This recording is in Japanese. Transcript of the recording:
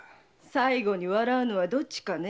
最後に笑うのはどっちかね。